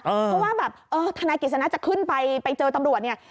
เพราะว่าแบบเออธนายกิจสนะจะขึ้นไปไปเจอตำรวจเนี่ย